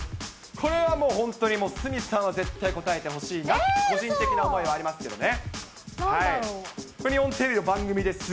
これはもう、本当に鷲見さんは絶対答えてほしいという個人的な思いはありますよね。